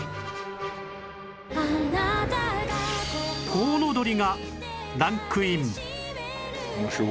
『コウノドリ』がランクイン